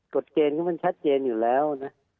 ฎเกณฑ์ก็มันชัดเจนอยู่แล้วนะ